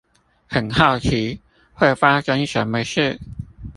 很好奇會發生什麼事